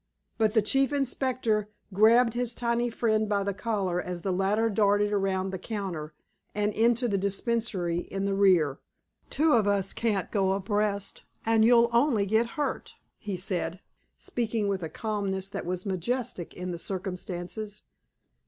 But the Chief Inspector grabbed his tiny friend by the collar as the latter darted around the counter and into the dispensary in the rear. "Two of us can't go abreast, and you'll only get hurt," he said, speaking with a calmness that was majestic in the circumstances.